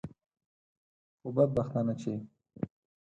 خو بدبختانه چې.